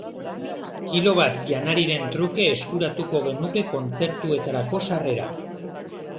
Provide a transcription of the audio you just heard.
Kilo bat janariren truke eskuratuko genuke kontzertuetarako sarrera.